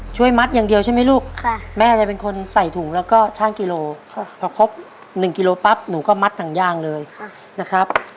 มัดอย่างเดียวใช่ไหมลูกแม่จะเป็นคนใส่ถุงแล้วก็ช่างกิโลพอครบ๑กิโลปั๊บหนูก็มัดถังยางเลยนะครับ